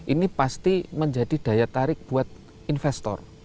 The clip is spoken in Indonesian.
ini pasti menjadi daya tarik buat investor